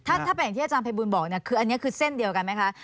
ถ้าเป็นอย่างที่อาจารย์พระบุญบอกอันนี้คือเส้นเดียวกันไหมคะ